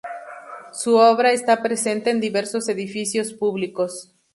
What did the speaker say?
Su obra está presente en diversos edificios públicos.